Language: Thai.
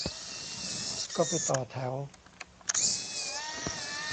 ก็ไปต่อแถว